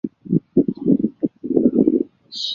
北京市、最高检机关提出了防控工作新要求